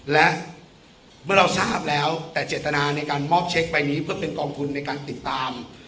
และเมื่อเราทราบแล้วแต่เจตนาในการมอบเช็คใบนี้เพื่อเป็นกองทุนในการติดตาม